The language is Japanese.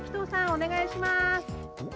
お願いします。